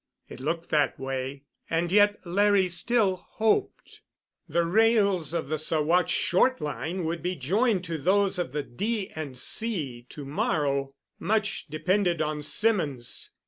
It looked that way, and yet Larry still hoped. The rails of the Saguache Short Line would be joined to those of the D. & C. to morrow. Much depended on Symonds.